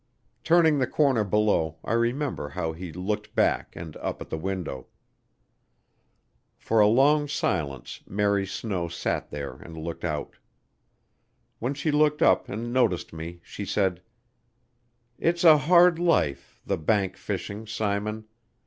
Turning the corner below, I remember how he looked back and up at the window. For a long silence Mary Snow sat there and looked out. When she looked up and noticed me, she said: "It's a hard life, the bank fishing, Simon.